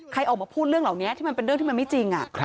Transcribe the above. ออกมาพูดเรื่องเหล่านี้ที่มันเป็นเรื่องที่มันไม่จริง